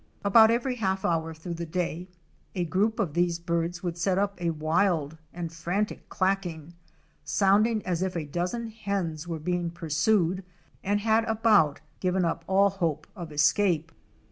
About every half hour through the day a group of these birds would set up a wild and frantic clacking, sounding as if a dozen hens were being pursued and had about given up all hope of escape.